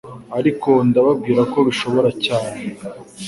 ariko ndababwira ko bishoboka cyane,